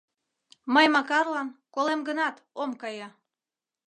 — Мый Макарлан, колем гынат, ом кае!